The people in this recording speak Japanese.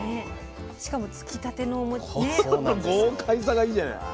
しかもつきたてのおもちね。